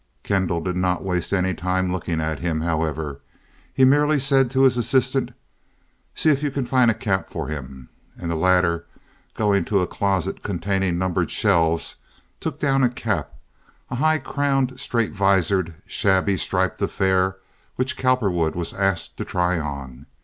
Kendall did not waste any time looking at him, however. He merely said to his assistant, "See if you can find a cap for him," and the latter, going to a closet containing numbered shelves, took down a cap—a high crowned, straight visored, shabby, striped affair which Cowperwood was asked to try on.